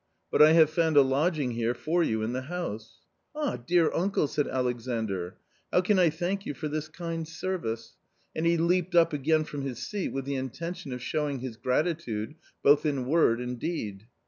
ButT h ave found aJ Hgfoff Wo far ynii in frh* hniigo * w Ah! deaPuncle !" said Alexandr, " how can I thank you for this kind service ?" v > And he leaped up again from his seat with the intention " I of showing his gratitude both in word and deed.